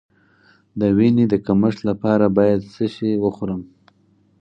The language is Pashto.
د وینې د کمښت لپاره باید څه شی وخورم؟